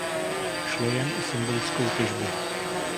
Šlo jen o symbolickou těžbu.